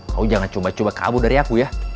kau jangan cuma cuma kabur dari aku ya